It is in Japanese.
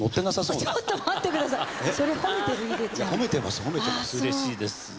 うれしいです。